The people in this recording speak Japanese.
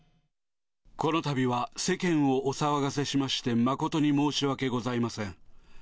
このたびは、世間をお騒がせしまして、誠に申し訳ございません。